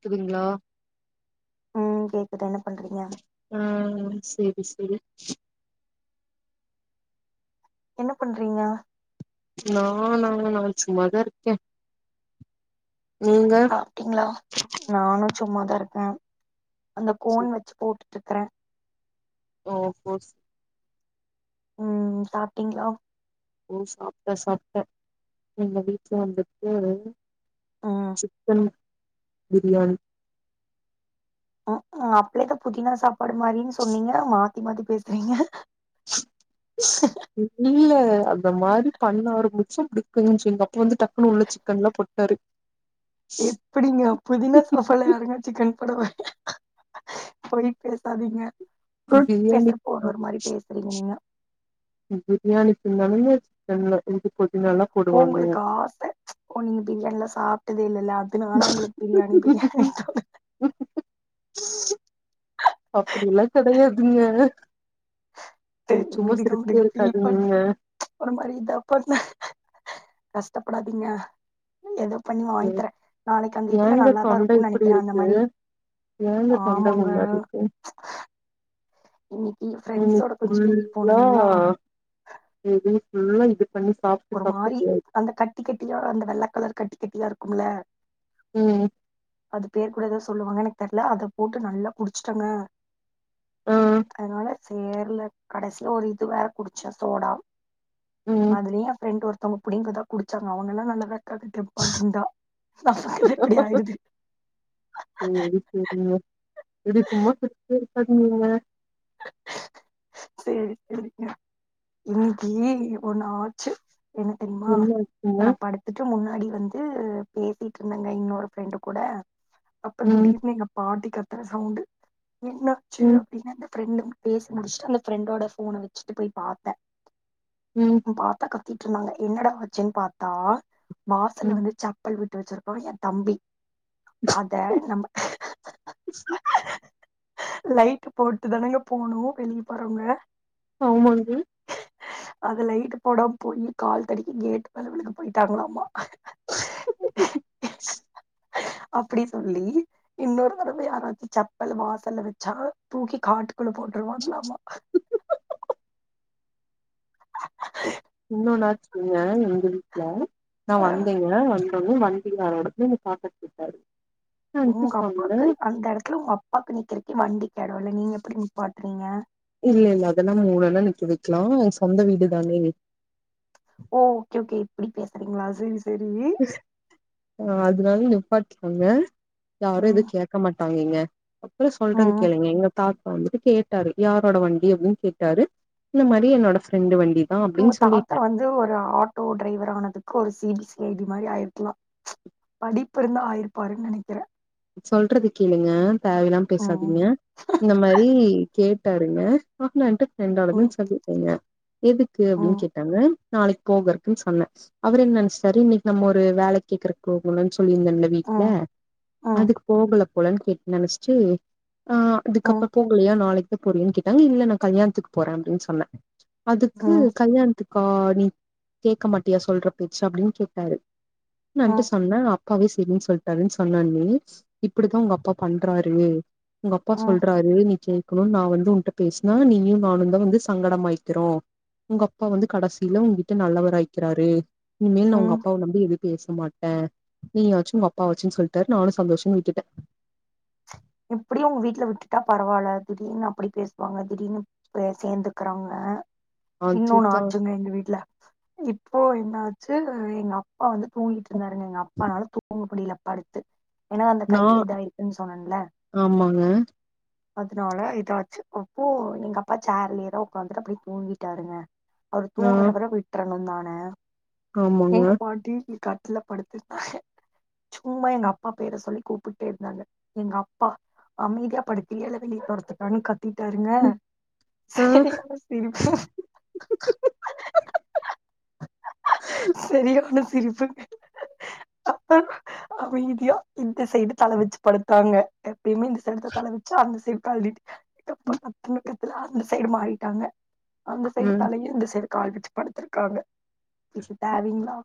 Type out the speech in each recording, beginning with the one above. கேக்குதுங்ளா கேக்குதா என்ன பண்றீங்க உம் சேரி சேரி என்ன பண்றீங்க ந நா நா சும்மாதா இருக்கே நீங்க அப்டிங்ளா நானு சும்மாதா இருக்கே அந்த செரி கோன் வெச்சு போட்டுட்டு இருக்குறே ஓ போஸ் உம் சாப்ட்டிங்ளா ஓ சாப்ட்டே சாப்ட்டே எங்க வீட்ல வந்துட்டு ம் சிக்கன் பிரியாணி உம் அப்பலதா புதினா சாப்பாடு மாரின்னு சொன்னீங்க மாத்தி மாத்தி பேசுறீங்க ஸ் இல்ல அந்த மாரி பண்ணா ஆரம்பிச்சோ டக்குன்னு எங்க அப்பா வந்து டக்குனு உள்ள சிக்கன் எல்லா போட்டாரு எப்புடிங்க புதினா சாப்பாட்ல யாருங்க சிக்கன் போடுவா பொய் பேசாதீங்க பொய் பிரியாணி பேசுப்ப ஒரு ஒரு மாரி பேசுறீங்க நீங்க நீ, பிரியாணி தின்னாலு இந்த சிக்கன்ல இது புதினாலா ஓ போடுவாங்க உங்களுக்கு ஆச ஓ நீங்க பிரியாணிலம் சாப்ட்டதே இல்லல்ல அ துனால உங்களுக்கு பிரியாணி பிரியாணினு தோணுது அப்டியெல்லா கெடையாதுங்க நீங்க சும்மா விடுங்க சிரிச்சிட்டே விடுங்க ஃபீல் பண் இருக்காதிங்கங்க ஒரு மாரி இதா பண்ண கஷ்டப்படாதீங்க நா ஏதோ பண்ணி வாங்கி தரே நாளைக்கு அந்த இதுல ஏங்க நல்லாதா இருக்குன்னு நெனைக்கிறே அந்த மாரி ஏ உங்க தொண்ட ஆமாங்க ஒரு மாரி இருக்கு இன்னைக்கு எனக்கு ஃப்ரெண்ட்ஸோட கொஞ்சோ வெளிய ஃபுல்லா போனனுங்களா எது ஃபுல்லா இது தண்ணி சாப்ட்டு சாப்ட்டு இப்டி ஆயி கட்ட கட்டியா அந்த வெள்ளக்கலர் கட்டி கட்டியா இருக்கும்ல ம் அது பேர் கூட ஏதோ சொல்லுவாங்க எனக்கு தெரில அத போட்டு நல்லா குடிச்சுட்டேங்க ஆ அதனால சேரல கடைசில ஒரு இது வேற குடிச்ச சோடா ம் அதுலயு எ ஃபிரெண்ட் ஒருத்தவங்க புடிங்கிதா குடிச்சாங்க அவங்கல்லா நல்லதா க்காங்க தெம்பா குண்டா நமக்குதா இப்டி ஆயிடுது சேரி சேரிங்க, இப்டி சும்மா சிரிச்சுகிட்டே இருக்காதீங்கங்க சேரி சேரிங்க இன்னைக்கு ஒண்ணு ஆச்சு என்ன தெரிமா என்ன ஆச்சுங்க இப்ப நா படுத் துட்டு முன்னாடி வந்து பேசிட்டு இருந்தங்க இன்னோரு ஃப்ரெண்டு கூட அப்ப ம் திடீர்னு எங்க பாட்டி கத்துற சவுண்ட் என்னாச்சு ம் அப்டின்னு அந்த ஃப்ரெண்டு பேசி முடிச்சுட்டு அந்த ஃப்ரெண்டோட ஃபோன வச்சுட்டு போய் பாத்தே ம் பாத்தா கத்திட்டு இருந்தாங்க என்னடா ஆச்சுன்னு பாத்தா வாசல்ல ம் வந்து செப்பல் விட்டுவச்சிருக் கோ எ தம்பி அத நம்ப லைட்டு போட்டுதானங்க போனு வெளிய போறவங்க ஆமாங்க அது லைட்டு போட போய் கால் தடிக்கி கேட் மேல விழுக போயிட்டாங்களாமா அப்படி சொல்லி இன்னொரு தடவ யாராச்சு செப்பல் வாசல்ல வச்சா தூக்கி காட்டுக்குள்ள போட்டுருவாங்களாமா இன்னொன்னு ஆச்சுங்க எங்க வீட்ல நா அ வந்தேங்க வந்தோன வண்டியாரோடதுன்னு பாத்துட்டு இருந்தாரு உங்க அப்பாக்கு அந்த எடத்துல உங்க அப்பாக்கு நிக்கிறக்கே வண்டிக்கு எடோ இல்ல நீங்க எப்டி நிப்பாட்டுறீங்க இல்ல இல்ல அதெல்லா மூலைல நிக்க வைக்கலா அது சொந்த வீடுதானே ஓ ஓகே ஓகே இப்டி பேசுறீங்களா சேரி சேரி ஆ அதனால நிப்பாட்டிக்கலாங்க யாரு எது ம் கேட்க மாட்டாங்கங்க அப்போ சொல்றத ம் கேளுங்க எங்க தாத் வந்துட்டு கேட்டாரு யாரோட வண்டி அப்டின்னு கேட்டாரு இந்த மாரி என்னோட ஃப்ரெண்டு வண்டி தான் உங்க அப்படின்னு தாத்தா சொல்லிட்டேன் வந்து ஒரு ஆட்டோ டிரைவர் ஆனதுக்கு ஒரு C B C I D மாரி ஆயிருக்கலா படிப்பு இருந்தா ஆயிருப்பாருன்னு நெனைக்கிறே சொல்றது கேளுங்க தேவல்லா ம் பேசாதீங்க இந்த மாதிரி கே ட்டாருங்க [unintelligible] ம் சொல்லிருக்கேங்க எதுக்கு அப்டின்னு ம் கேட்டாங்க நாளைக்கு போகறக்குன்னு சொன்னே அவரு என்ன நெனைச்சாரு இன்னைக்கு நம்ம ஒரு வேல கேக்குற போகணும்ன்னு சொல்லியிருந்தன்ல வீட்ல ம் ம் அதுக்கு போகல போலன்னு கேட்டு நெனைச்சுட்டு ஆ ம் அதுக்கப்புறோ போகலையா நாளைக்கு [unintelligible] போறியான்னு கேட்டாங்க இல்ல நா கல்யாணத்துக்கு போறே அப்டின்னு சொன்னே அதுக்கு ம் கல்யாண துக்கா நீ கேட்க மாட்டியா சொல்ற பேச்சு அப்டின்னு கேட்டாரு நான்ட்டு ம் சொன்னே அப்பாவே செரின்னு சொல்லிட்டாருன்னு சொன்னேன் இப்படித்தா உங்க அப்பா பண்றாரு உங்க அப்பா ம் சொல்றாரு நீ கே இருக்கணும்னு நா வந்து உன்ட்ட பேசுனா நீயு நானு தா வந்து சங்கடோ மாயிக்குரோ உங்க அப்பா வந்து கடைசியில உங்கிட்ட நல்லவராயக்கிறாரு இனிமேல் நா ம் உங்க அப்பாவை நம்பி எது பேச மாட்டே நீ வாச்சு உங்க அப்பா வாச்சுன்னு சொல்ட்டு இருக்காரு நானு சந்தோஷம்னு விட்டுட்டே எப்டியு உங்க வீட்ல விட்டுட்டா பரவால்ல திடீர்னு அப்டி பேசுவாங்க திடீர்னு பேய் சேர்ந்துக்கிறவங்க இன்னொன்னு அதுதா ஆச்சுங்க எங்க வீட்டு்ல இப்போ என்னாச்சு எங்க அப் அப்பா வந்து தூங்கிட்டுதா இருந்தாருங்க எங்க அப்பானால தூங்கமுடியல படுத்து ஏன்னா அந்த நா கையில இதயிருக்குன்னு சொன்னேல்ல ஆமாங்க அதனால இதாச்சு அப்போ எங்க அப்பா சேர்லயே தா உக்காந்துட்டு அப்டியே தூங்கிட்டாருங்க அவர் ஆ தூங்குறவர வேயிட்பண்ணு தானு ஆமாங்க எங்க பாட்டி கட்டுல படுத்திருந்தாங்க சும்மா எங்க அப்பா பேரை சொல்லி கூப்பிட்டே இருந்தாங்க எங்க அப் ப்ப அமைதியா படுக்கூறிய இலையா வெளிய தொரத்தட்டுமா கத்திட்டாருங்க சரி திருப்ப சரியான சிரிப்பு அமைதியா இந்த சைடு தல வச்சு படுத்தாங்க எப்பயுமே இந்த சைடு தலைவிச்சா அந்த சைடு காழ்னிட்டி எங்க அப்பா காத்தா பக்கத்துல அந்த சைடு மாறிட்டாங்க அந்த சைடு ம் தலையிம் இந்த சைடு கால் வச்சு படுத்திருக்காங்க இது தேவீங்களா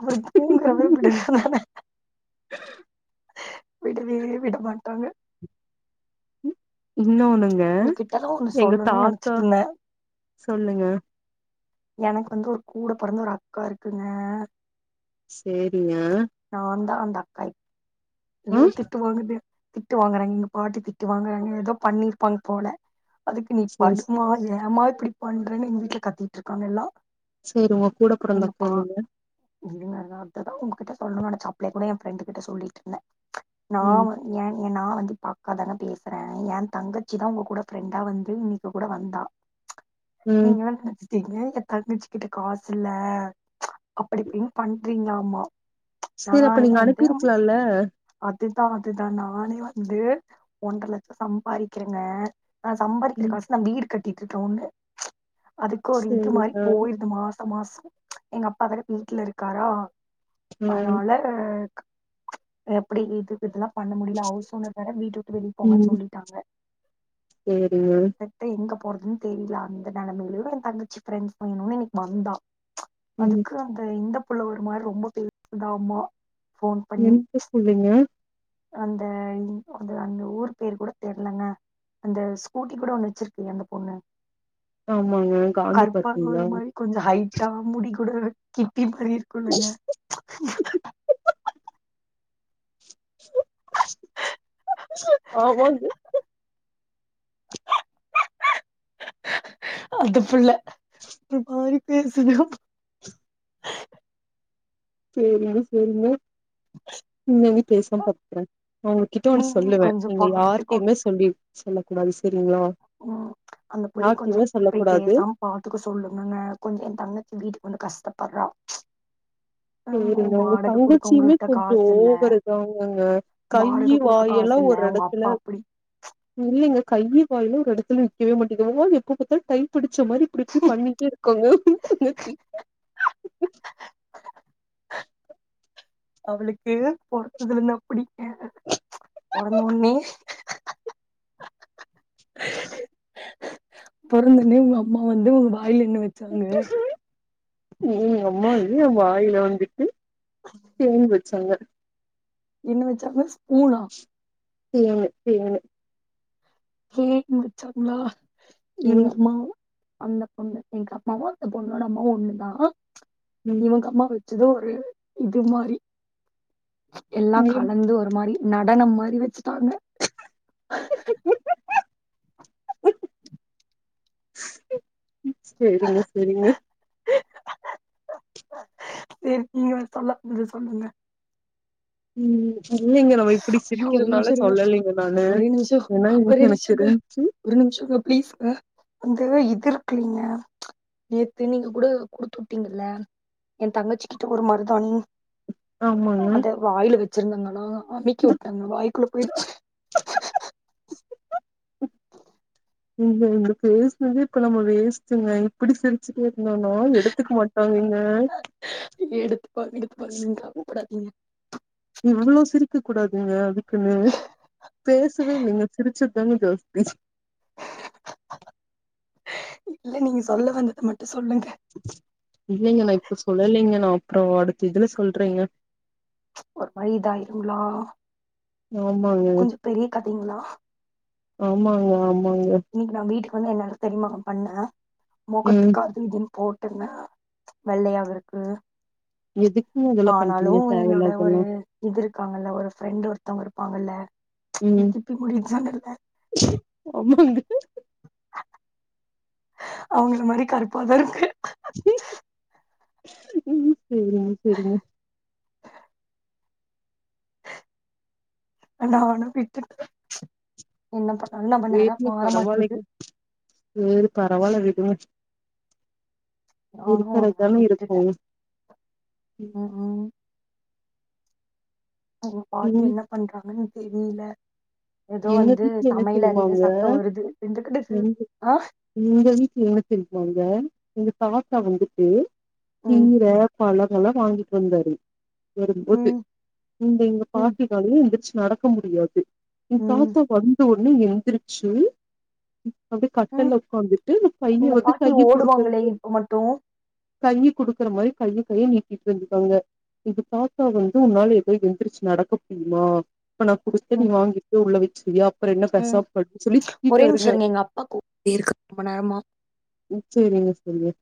அப்டி தூங்குறவங்கல விடுவான விடவே விட மாட் டாங்க இன்னொண்ணுங்க உங்ககிட்டல்லா ஒண்ணு எங்க சொல்லணும்னு தாத்தா நெனச்சிட்டு இருந்தே சொல்லுங்க எனக்கு வந்து ஒரு கூட பிறந்த ஒரு அக்கா இருக்குங்க சேரிங்க நா வந்து அந்த அக்கா ஐயோ ம் திட்டு வாங்கலே திட்டு வாங்குறாங்க எங்க பாட்டி திட்டு வாங்கா ஏதோ பண்ணிருப்பாங்க போல அதுக்கு நீ சேரி படுமா ஏமா இப்டி பண்றேன்னு எங்க வீட்டுல கத்திட்டு இருக்காங்க எல்லா சரி உங்க எங்க கூடப்புறந்தாக்கா பா எங்கே இருங்க அததாங்க உங்ககிட்ட சொல்லணும்ணு நெனச்சே அப்ப கூட எ ஃப்ரெண்டு கிட்ட சொல்லிட்டு இருந்தே நா ம் வந் எ நா வந்து இப்போ அக்காதனோ பேசுறே ஏ தங்கச்சி தா உங்க கூட ஃப்ரெண்டா வந்து இப்பக்கூட வந்தா ம் நீங்களநெனச் ங்கங்க தங்கச்சுக்கிட்டு காசு இல்ல அப்படியிப்படின்னு பண்றீங்களாமா சேரி அப்ப நானே நீங்க வந்து அனுப்பிருக்கலால்ல அதுதா அதுதா நானே வந்து ஒன்றலட்சோ சம்பாதிக்கிறேங்க நா சம்பாதிக்கிற ம் காசுல நா வீடு கட்டிட்டு இருக்கே ஒன்னு அதுக்கு ஒரு இன்கம் மாரி சேரிங்க போயிருது மாசோ மாசோ எங்க அப்பா வேற வீட்ல இருக்காரா ம் அதனால எப்படி இது இதுக்லா பண்ண முடியல அவுஸ் ஓனர் வேற வீட்டு விட்டு வெளியே போங்கன்னு ம் சொல்லிட்டாங்க சேரிங்க எங்க போறதுன்னு தெரியல அந்த நெலமையிலு என் தங்கச்சி ஃப்ரெண்ட்ஸ் வேணும்னு இனைக்கு வந்தா ச் ம் அதுக்கு அந்த இந்த புள்ள ஒரு மாரி ரொம்ப பேச்சுதாமா எங்க புள்ளைங்க அந்த அ அந்த ஊர் பேர் கூட தெர்லங்க அந்த ஸ்கூட்டி கூட ஒண்ணு வச்சுருக்குலா அந்த பொண்ணு ஆமாங்க காந்தி கருப்பா பார்க்குங்களா ஒரு மாரி கொஞ்சோ ஹைட்டா முடி கூட கிப்பி மாரி இருக்கும்லங்க ஆமாங்க அந்த புள்ள ஒரு மாரி பேசுதா செரிங்க செரிங்க இங்க வந்து பேசாம பாத்துக்குற உங்ககிட்ட ஒன்னு ம் சொல்லுவ கொஞ்சம் நீங்க பாத்துக்கோ யார்கிட்டயுமே சொல்லி சொல்ல கூடாது சேரிங்களா ம் அந்த புள்ளைய யார்க்குமே கொஞ்சம் சொல்ல போய் கூடாது பேசாம பாத்துக்க சொல்லுங்கங்க கொஞ்சோ எ தங்கச்சி வீட்டுக்கு வந்து கஷ்டப்பட்றா [inaudible] செரிங்க உங்க குடுக்க தங்கச்சியுமே உங்கள்ட்ட கொஞ்சோ காசு இல்ல ஓவருதாங்கங்க கை வாயெல்லா ஒரு எட அப்டி இல்லைங்க கையி வாயிலா ஒரு எடத்துல நிக்கவே மாட்டேக்கு அவோ எப்ப பாத்தாலு கை பிடிச்ச மாரி இப்டி இப்டி பண்ணிட்டே இருக்காங்க [unintelligible] [inaudible] அவளுக்கு பொறந்ததிலிருந்து [unintelligible] பிடிக்காது ச் பொறந்தவொன்னே [inaudible] பொறந்தவுனே உங்க அம்மா வந்து உங்க வாயில என்ன வெ எங்க அம்மாவே எ வாயில வந்துட்டு தேன் வெச்சாங்க என்ன வெச்சாங்க ஸ்பூனா தேனு தேனு தேன் வெச்சாங்ளா எங்க ம் அம்மாவு அந்த பொண்ணு எங்க அம்மாவு அந்த பொண்ணோட அம்மாவு ஒண்ணுதா ச் ம் உங்க அம்மா வெச்சது ஒரு இது மாரி ச் எல்லா ம் கலந்து ஒரு மாரி நடனம் மாரி வச்சுட்டாங்க செரிங்க செரிங்க நீங்க சொல்ல வந்தத சொல்லுங்க ம் ம் இல்லைங்க நம்ம இப்டி ஐயோ ஒரே நிமிஷ சிரிக்கிறனால இருங்க சொல்லலலைங்க நானு ஒரே நிமிஷ ஏன்னா ஒரே இன்னைக்கு எனக்கு நிமிஷங்க தெரிஞ்சு ஒரு நிமிஷங்க பிளீஸ்ங்க அங்க இது இருக்குலீங்க ச் நேத்து நீங்க கூட குடுத்து உட்டீங்கல்ல எ தங்கச்சி கிட்ட ஒரு மருதாணி ஆமாங்க அத வாயில வச்சிருந்தாங்களா அமிக்கி உட்டன்னா வாய்க்குள்ள போயிருச்சு இந்த இந்த பேசுனதே இப்ப நம்ம வேஸ்ட்டுங்க இப்டி சிரிச்சுட்டே இருந்தானா எடுத்துக்க மாட் டாங்க இங்க எடுப்பாங்க எடுப்பாங்க நீங்க கவலப்படாதீங்க நீங் அவ்ளோ சிரிக்கக் கூடாதுங்க அதுக்குன்னு பேசவே இல்லங்க சிரிச்சத் தாங்க ஜாஸ்தி இல்ல நீங்க சொல்ல வந்தத மட்டு சொல்லுங்க இல்லிங்க நா இப்ப சொல்லலங்க நா அப்றோ அடுத்த இதுல சொல்றேங்க ஒரு மாரி இதாயிருங்களா ஆமாங்க கொஞ்சோ பெரிய கதைங்களா ஆமாங்க ஆமாங்க இன்னிக்கு நா வீட்டுக்கு வந்து என்னாலா தெரியுமாங்க பண்ண ம் மொகத்துக்கு அது இதுன்னு போட்டன்னா வெள்ளையாவருக்கு எதுக்குங்க அதெல்லா ஆனாலு பண்றீங்க என்னோட ஒரு தேவயில்லாதெல்லா. இது இருக்காங்கல்ல ஒரு ஃப்ரெண்ட் ஒருத்தவுங்க இருப்பாங்கல்ல இந்த ம் [unintelligible] எக்ஸாம் எழுத ஆமாங்க அவுங்கள மாரி கருப்பாதா இருக்க ம் சேரிங்க சேரிங்க நா அவன விட்டுட்ட என்ன பண்ண என்ன பண்ண அதா சேரிங்க இப்ப வர மாட்டிகுது பரவால்லைங்க. சேரி பரவாயில்ல விடுங்க நானு இருக்கற அதனால தான இருக்கு விட்டுட்டே ம் ம் அவுங்க பாட்டு ம் என்ன பண்றாங்கன்னு தெரியல ஏதோ எங்க வந்து வீட்ல என்ன சமையல் அறையில தெரியுமாங்க சத்தோ வருது இன்டுகிட்டு ம் ஆ எங்க வீட்ல என்ன தெரியுமாங்க எங்க தாத்தா வந்துட்டு ம் கீர பழமெல்லா வாங்கிட்டு வந்தாரு வரும்போது ம் இங்க எங்க ம் பாட்டினாலையு எந்துருச்சு நடக்க முடியாது எங் ம் தாத்தா வந்தவொன்னே எந்துருச்சு அப்டியே ம் கட்டில்ல உக்காந்துட்டு பைய உங்க வந்து பாட்டி கைய ஓடுவாங்களே கொடுக்கறது இப்ப மட்டு கையி குடுக்குற மாரி கைய கைய நீட்டிட்டு வந்துருக்காங்க இது தாத்தா வந்து உன்னால எதோ எந்துரிச்சு நடக்க முடியுமா இப்ப நா குடுத்த நீ ம் வாங்கிட் போய் உள்ள வச்சிருவியா அப்புற என்ன ம் பெசாப் படுன்னனு சொல்லி ஒரே நிமிஷோ திட்டிட்டாருங்க இருங்க எங்க அப்பா கூப்ட்டே இருக்காரு ரொம்ப நேரமா ம் சேரிங்க செரிங்க